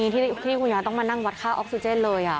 ที่คุณยายต้องมานั่งวัดค่าออกซิเจนเลย